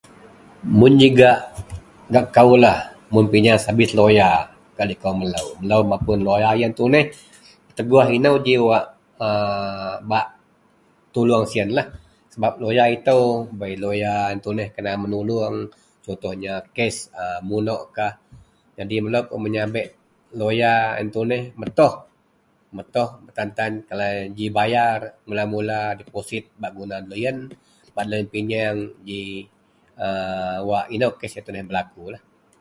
Mun ji gak koulah, mun pinyieng servis loyar gak likou melou mapun loyer yen tuneh peteguoh jo inou ji wak [a] bak tuluong siyenlah sebap loyer itou bei loyer yen tuneh kena menuluong contohnya kes a munokkah, nyadin meloupuun menyabek loyer yen tuneh metoh ketantan Kalai ji bayar mula-mula deposit bak guna deloyen bak deloyen pinyieng ji [a] wak inou kes yen tuneh belaku.